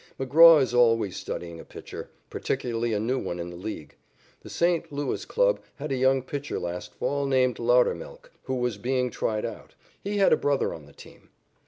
McGraw is always studying a pitcher, particularly a new one in the League. The St. Louis club had a young pitcher last fall, named Laudermilk, who was being tried out. He had a brother on the team.